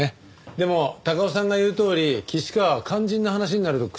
でも高尾さんが言うとおり岸川は肝心な話になると口を閉ざすんですよ。